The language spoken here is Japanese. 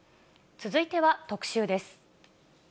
続いては特集です。